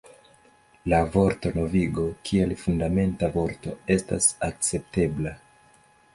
La vorto novigo kiel fundamenta vorto estas akceptebla.